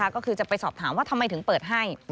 ก็คือจะไปสอบถามว่าทำไมถึงเปิดให้